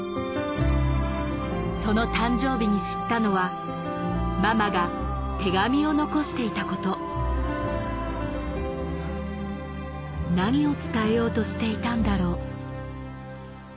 その誕生日に知ったのはママが手紙を残していたこと「何を伝えようとしていたんだろう」